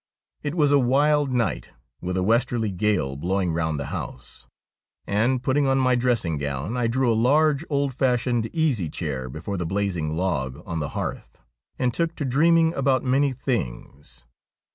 It was a wild night, with a westerly gale blowing round the house, and, putting on my dressing gown, I drew a large old fashioned easy chair before the blazing log on the hearth, and took to dreaming about many things.